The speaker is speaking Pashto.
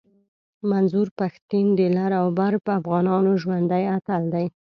منظور پشتین د لر او بر افغانانو ژوندی اتل دی